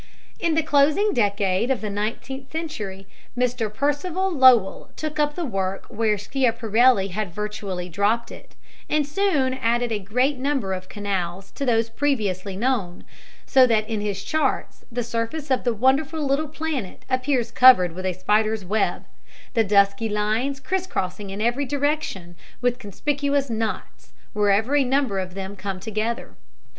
In the closing decade of the nineteenth century, Mr Percival Lowell took up the work where Schiaparelli had virtually dropped it, and soon added a great number of "canals" to those previously known, so that in his charts the surface of the wonderful little planet appears covered as with a spider's web, the dusky lines criss crossing in every direction, with conspicuous knots wherever a number of them come together.